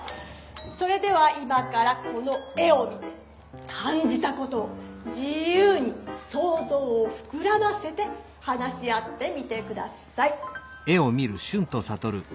それでは今からこの絵を見てかんじたことを自ゆうにそうぞうをふくらませて話し合ってみて下さい。